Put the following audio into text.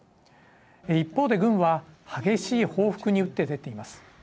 一方で軍は激しい報復に打って出ています。